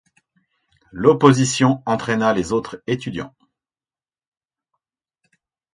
L'opposition entraîna les autres étudiants.